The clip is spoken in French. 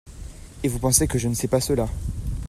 Et vous pensez que je ne sais pas cela ?